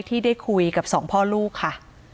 ที่ได้คุยกับสองพ่อลูกค่ะ